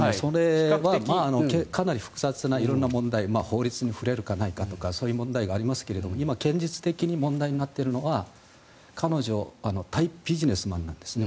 かなり複雑な色んな問題法律に触れるかどうかとかそういう問題がありますが今、現実的に問題になっているのは彼女は大ビジネスマンなんですね。